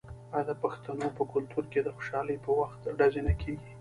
آیا د پښتنو په کلتور کې د خوشحالۍ په وخت ډزې نه کیږي؟